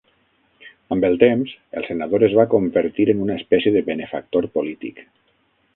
Amb el temps, el senador es va convertir en una espècie de benefactor polític.